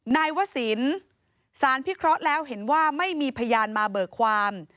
นายวศิลป์สารพิเคราะห์แล้วเห็นว่าไม่มีพยานมาเบิกความ